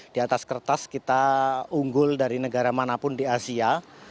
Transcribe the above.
di atas kertas kita unggul dari negara manapun di asia